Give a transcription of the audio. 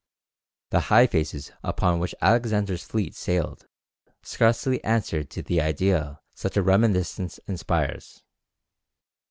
The Hyphases, upon which Alexander's fleet sailed, scarcely answered to the idea such a reminiscence inspires.